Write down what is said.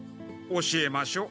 教えましょう。